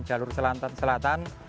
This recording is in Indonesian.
jalur selatan selatan